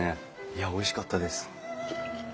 いやおいしかったです。